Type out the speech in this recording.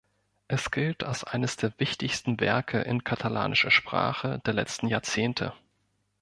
Es gilt als eines der wichtigsten Werke in katalanischer Sprache der letzten Jahrzehnte.